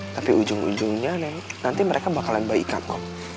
tapi ujung ujungnya nih nanti mereka bakalan baik baik kok